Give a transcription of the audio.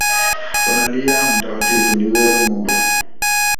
Wanalia mtakatifu, ni wewe Mungu